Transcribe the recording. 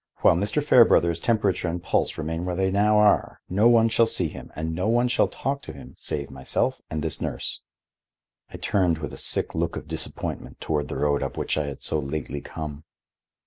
While Mr. Fairbrother's temperature and pulse remain where they now are, no one shall see him and no one shall talk to him save myself and his nurse." I turned with a sick look of disappointment toward the road up which I had so lately come.